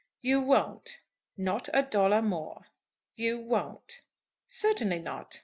"You won't?" "Not a dollar more." "You won't?" "Certainly not.